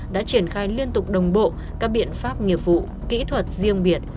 đã triển khai liên tục đồng bộ các biện pháp nghiệp vụ kỹ thuật riêng biệt